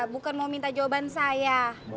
bukan mau minta jawaban saya